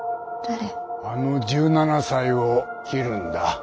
あの１７才を切るんだ。